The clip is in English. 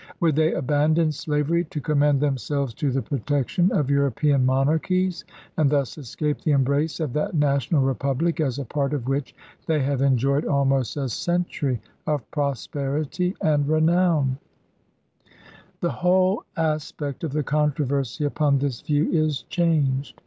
Would they abandon slavery to commend them selves to the protection of European monarchies, and thus escape the embrace of that national Republic as a part of which they have enjoyed almost a century of prosperity and renown I The BLAIR'S MEXICAN PROJECT 99 whole aspect of the controversy upon this view is changed.